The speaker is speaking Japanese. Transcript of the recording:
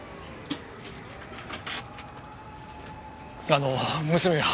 あの娘は？